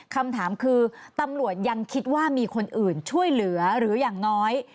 คำถามคือตำรวจยังคิดว่ามีคนอื่นช่วยเหลือหรืออย่างน้อย